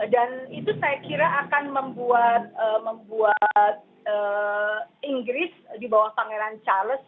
dan itu saya kira akan membuat inggris di bawah pangeran charles